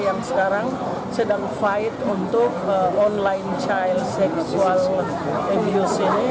yang sekarang sedang fight untuk online child sexual abuse ini